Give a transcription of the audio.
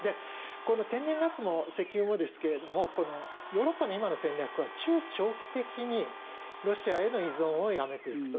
この天然ガスも石油もですがヨーロッパの今の戦略は中長期的にロシアへの依存をやめていくと。